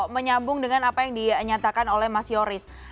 menyambung dengan apa yang dinyatakan oleh mas yoris